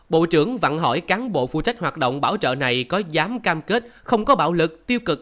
bộ trưởng vặn hỏi cán bộ phụ trách hoạt động bảo trợ này có dám cam kết không có bạo lực tiêu cực